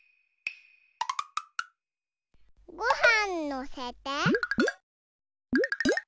ごはんのせて。